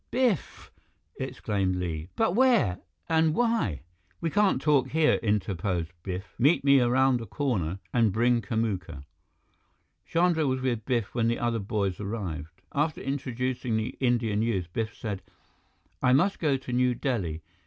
"Biff!" exclaimed Li. "But where and why " "We can't talk here," interposed Biff. "Meet me around the corner and bring Kamuka." Chandra was with Biff when the other boys arrived. After introducing the Indian youth, Biff said: "I must go to New Delhi.